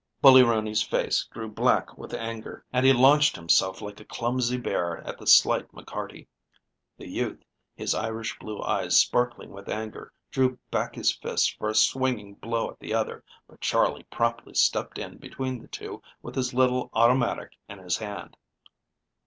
Bully Rooney's face grew black with anger, and he launched himself like a clumsy bear at the slight McCarty. The youth, his Irish blue eyes sparkling with anger, drew back his fists for a swinging blow at the other, but Charley promptly stepped in between the two with his little automatic in his hand.